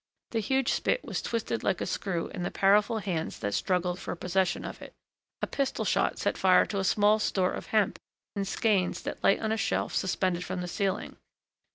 The huge spit was twisted like a screw in the powerful hands that struggled for possession of it. A pistol shot set fire to a small store of hemp in skeins that lay on a shelf suspended from the ceiling.